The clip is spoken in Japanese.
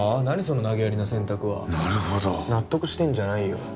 何その投げやりな選択はなるほど納得してんじゃないよ